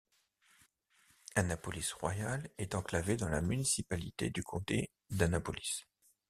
Annapolis Royal est enclavée dans la municipalité du comté d'Annapolis.